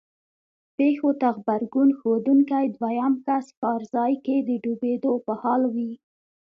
پېښو ته غبرګون ښودونکی دویم کس کار ځای کې د ډوبېدو په حال وي.